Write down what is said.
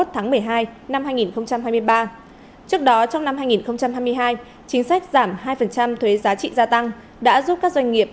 trước đó trong năm hai nghìn hai mươi hai chính sách giảm hai thuế giá trị gia tăng đã giúp các doanh nghiệp